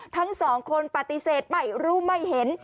ทั้งสองคนปฏิเสธไม่รู้ไม่เห็น